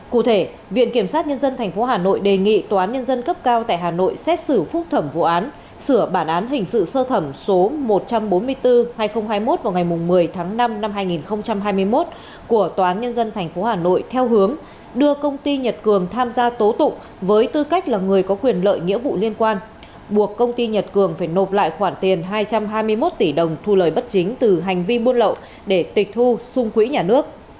cụ thể viện kiểm sát nhân dân tp hà nội đề nghị tòa án nhân dân cấp cao tại hà nội xét xử phúc thẩm vụ án sửa bản án hình sự sơ thẩm số một trăm bốn mươi bốn hai nghìn hai mươi một vào ngày một mươi tháng năm năm hai nghìn hai mươi một của tòa án nhân dân tp hà nội theo hướng đưa công ty nhật cường tham gia tố tụng với tư cách là người có quyền lợi nghĩa vụ liên quan buộc công ty nhật cường phải nộp lại khoản tiền hai trăm hai mươi một tỷ đồng thu lời bất chính từ hành vi buôn lậu để tịch thu xung quỹ nhà nước